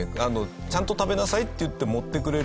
「ちゃんと食べなさい」っていって盛ってくれる。